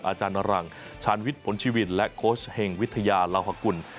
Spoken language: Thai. อาจารย์รังชาญวิทย์ผลชีวินและโค้ชเฮงวิทยาลาวหกุล